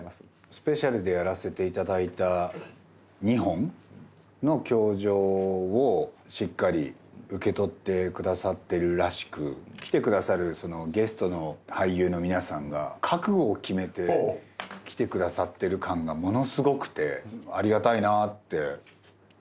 スペシャルでやらせていただいた２本の『教場』をしっかり受け取ってくださってるらしく来てくださるゲストの俳優の皆さんが覚悟を決めて来てくださってる感がものすごくてありがたいなぁってすごく思いますね。